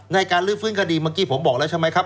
ในการลื้อฟื้นคดีเมื่อกี้ผมบอกแล้วใช่ไหมครับ